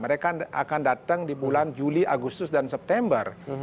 mereka akan datang di bulan juli agustus dan september